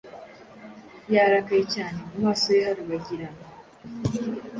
Yarakaye cyane mu maso ye harabagirana